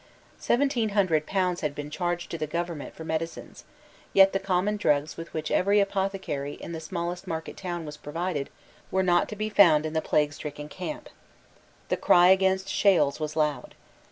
Seventeen hundred pounds had been charged to the government for medicines: yet the common drugs with which every apothecary in the smallest market town was provided were not to be found in the plaguestricken camp. The cry against Shales was loud.